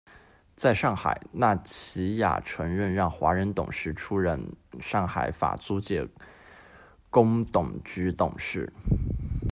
在上海，那齐雅承认让华人董事出任上海法租界公董局董事。